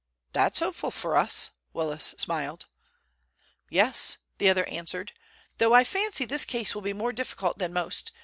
"That's hopeful for us," Willis smiled. "Yes," the other answered, "though I fancy this case will be more difficult than most.